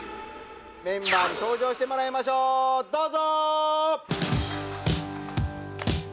メンバーに登場してもらいましょうどうぞ！